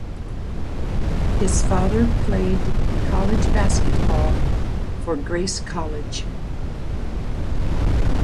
His father played college basketball for Grace College.